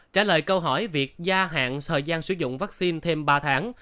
trả lời câu hỏi việc gia hạn thời gian sử dụng vaccine thêm ba tháng